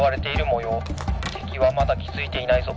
てきはまだきづいていないぞ。